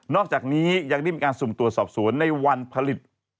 อกจากนี้ยังได้มีการสุ่มตรวจสอบสวนในวันผลิต